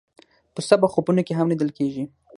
پسه په خوبونو کې هم لیدل کېږي.